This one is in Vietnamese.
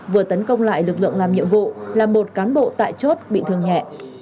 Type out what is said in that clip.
vừa tấn công lại lực lượng làm nhiệm vụ là một cán bộ tại chốt bị thương nhẹ